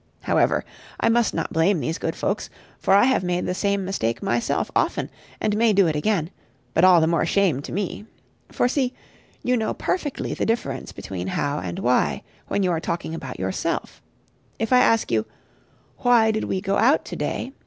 However, I must not blame these good folks, for I have made the same mistake myself often, and may do it again: but all the more shame to me. For see you know perfectly the difference between How and Why, when you are talking about yourself. If I ask you, "Why did we go out to day?"